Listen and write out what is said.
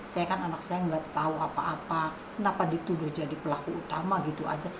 saya kan anak saya nggak tahu apa apa kenapa dituduh jadi pelaku utama gitu aja